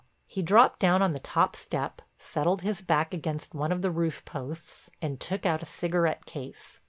He dropped down on the top step, settled his back against one of the roof posts, and took out a cigarette case.